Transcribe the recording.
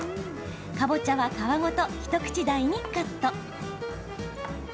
かぼちゃは皮ごと一口大にカット。